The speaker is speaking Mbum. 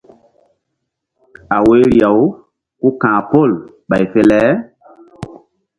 A woyri-aw ku ka̧h pol ɓay fe le.